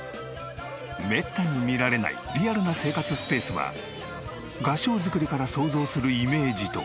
めったに見られないリアルな生活スペースは合掌造りから想像するイメージと同じなのか？